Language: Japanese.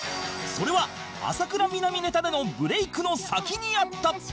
それは浅倉南ネタでのブレイクの先にあった！